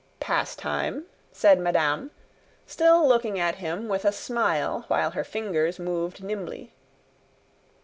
"Pastime," said madame, still looking at him with a smile while her fingers moved nimbly.